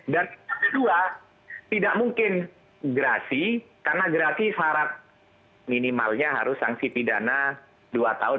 dan kedua tidak mungkin gerasi karena gerasi syarat minimalnya harus sanksi pidana dua tahun